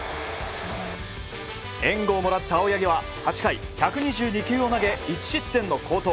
援護をもらった青柳は８回１２２球を投げ１失点の好投。